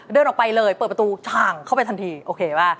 เดินออกไปเลยเปิดประตูทางเข้าไปทันทีโอเคป่ะ